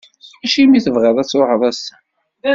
Acimi i tebɣiḍ ad tṛuḥeḍ ass-a?